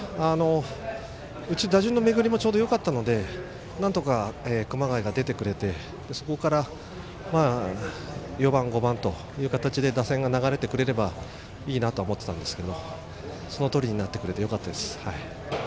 うち、打順の巡りもちょうどよかったのでなんとか熊谷が出てくれてそこから、４番５番という形で打線が流れてくれればいいなと思っていたんですけどそのとおりになってくれてよかったです。